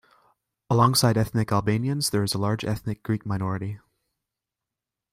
Alongside ethnic Albanians, there is a large ethnic Greek minority.